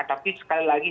tapi sekali lagi